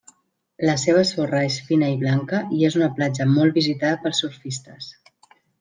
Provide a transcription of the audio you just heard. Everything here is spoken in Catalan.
La seva sorra és fina i blanca i és una platja molt visitada pels surfistes.